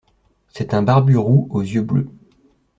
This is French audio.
C'est un barbu roux aux yeux bleus.